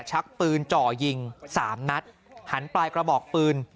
ชักปืนจ่อยิงสามนัดหันปลายกระบอกปืน